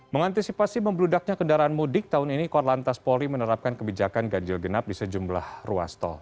mengantisipasi membludaknya kendaraan mudik tahun ini korlantas polri menerapkan kebijakan ganjil genap di sejumlah ruas tol